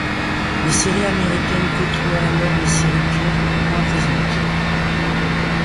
Les séries américaines côtoient alors les séries turques, moins présentes.